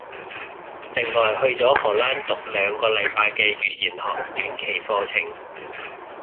另外去咗荷蘭讀兩個禮拜嘅語言學短期課程